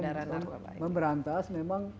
kalau untuk memberantas memang